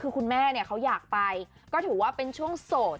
คือคุณแม่เนี่ยเขาอยากไปก็ถือว่าเป็นช่วงโสด